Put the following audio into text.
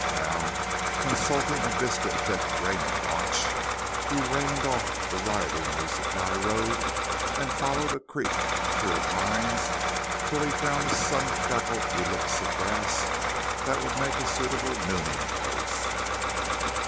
Now, consulting a biscuit thick Raymond watch, he reined off the writhing new supply road and followed a creek through the pines till he found a sun freckled ellipse of grass that would make a suitable nooning place.